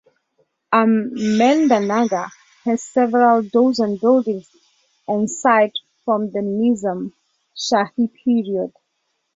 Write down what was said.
Ahmednagar has several dozen buildings and sites from the Nizam Shahi period.